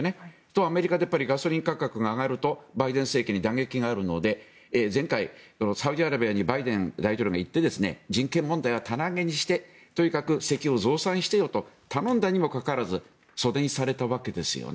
アメリカでガソリン価格が上がるとバイデン政権に打撃があるので前回サウジアラビアにバイデン大統領が行って人権問題は棚上げにしてとにかく石油を増産してよと頼んだにもかかわらず袖にされたわけですね。